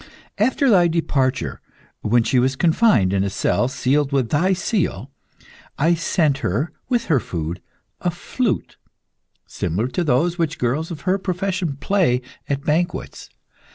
After thy departure, when she was confined in a cell sealed with thy seal, I sent her, with her food, a flute, similar to those which girls of her profession play at banquets.